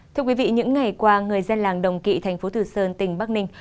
thưa quý vị những ngày qua người dân làng đồng kỵ tp thừa sơn tỉnh bắc ninh